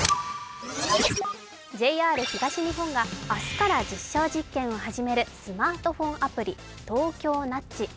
ＪＲ東日本が明日から実証実験を始めるスマートフォンアプリＴｏｋｙｏＮｕｄｇｅ。